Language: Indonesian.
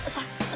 sakti dimana put